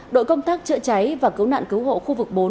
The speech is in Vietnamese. đội công tác chữa cháy và cứu nạn cứu hộ khu vực bốn